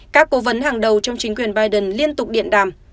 các cố vấn hàng đầu trong chính quyền biden liên tục điện đàm